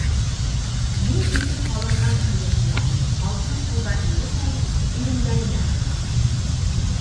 Мул итеп һалынған шыйыҡ май һалҡын һыуҙа иремәй ирендәренә һыланды.